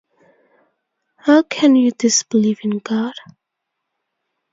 How can you disbelieve in God?